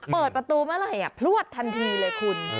เปิดประตูไม่รู้เห็นแหละพลวดทันทีเลยคุณ